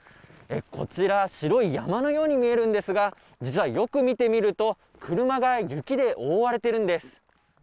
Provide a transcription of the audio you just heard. こちら、白い山のように見えるんですが、実はよく見てみると、車が雪で覆われているんです。